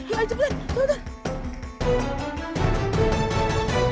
ya cepetan cepetan